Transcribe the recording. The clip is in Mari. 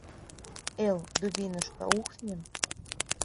Эл, дубинушка, ухнем...